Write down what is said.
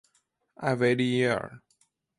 埃维利耶尔。